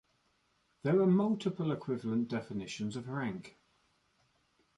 There are multiple equivalent definitions of rank.